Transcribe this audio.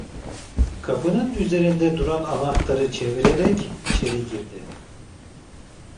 Kapının üzerinde duran anahtarı çevirerek içeri girdi.